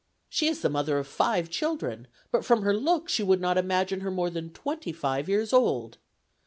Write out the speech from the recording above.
She is the mother of five children; but from her looks you would not imagine her more than twenty five years old.